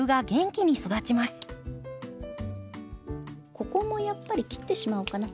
ここもやっぱり切ってしまおうかな。